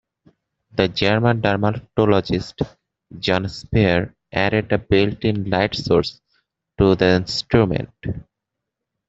The German dermatologist, Johann Saphier, added a built-in light source to the instrument.